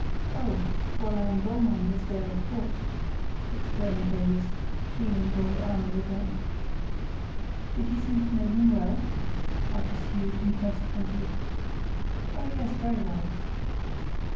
"Oh, Fräulein Dollmann was there, of course," explained Davies, feeling for his armour again. "Did he seem to know them well?" I pursued, inconsequently. "Oh, yes, very well."